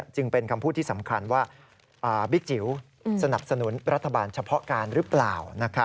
จึงเป็นคำพูดที่สำคัญว่าบิ๊กจิ๋วสนับสนุนรัฐบาลเฉพาะการหรือเปล่า